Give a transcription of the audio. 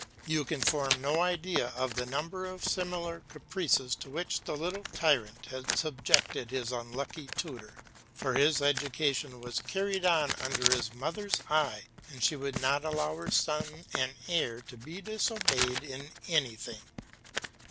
You can form no idea of the number of similar caprices to which the little tyrant had subjected his unlucky tutor; for his education was carried on under his mother's eye, and she would not allow her son and heir to be disobeyed in anything.